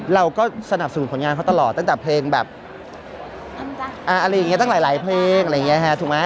เราก็สนับสนุนผลงานเขาตลอดตั้งแต่เพลงแบบอะไรอย่างนี้ตั้งหลายเพลงอะไรอย่างนี้ฮะถูกไหม